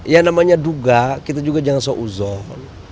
yang namanya duga kita juga jangan seuzon